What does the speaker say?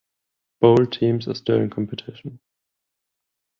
Bold teams are still in competition.